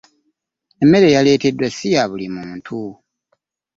Emmere eyaleeteddwa siyabuli muntu